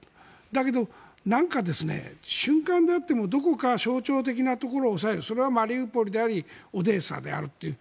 だけど、何か瞬間であってもどこか象徴的なところを押さえるそれはマリウポリでありオデーサであるという。